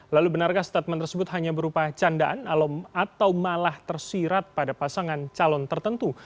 lalu benarkah statement tersebut hanya berupa candaan atau malah tersirat pada pasangan calon tertentu